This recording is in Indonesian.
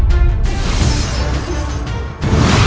kalau bersifat calon